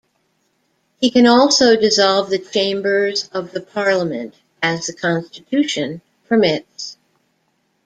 He can also dissolve the chambers of the Parliament, as the Constitution permits.